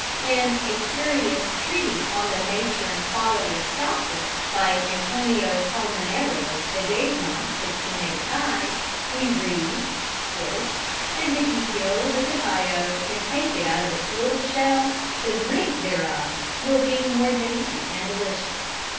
] In A Curious Treatise on the Nature and Quality of Chocolate, by Antonio Colmenero de Ledesma (1685), we read: "And if you peel the cacao, and take it out of its little shell, the drink thereof will be more dainty and delicious."